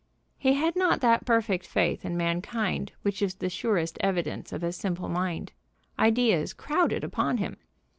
He had not that perfect faith in mankind which is the surest evidence of a simple mind. Ideas crowded upon him.